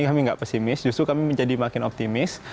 kami nggak pesimis justru kami menjadi makin optimis